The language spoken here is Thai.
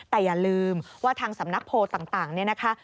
แต่อย่าลืมว่าทางสำนักโพลต่างเนี่ยนะคะ